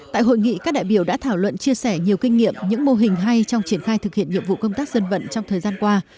tại hội nghị các đại biểu đã thảo luận chia sẻ nhiều kinh nghiệm những mô hình hay trong triển khai thực hiện nhiệm vụ công tác dân vận trong thời gian qua